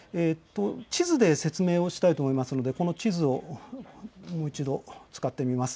地図で説明をしたいと思いますので、この地図をもう一度使ってみます。